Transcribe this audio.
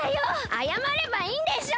あやまればいいんでしょ！